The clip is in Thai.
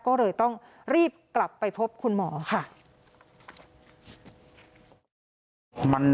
ก็เลยต้องรีบกลับไปพบคุณหมอค่ะ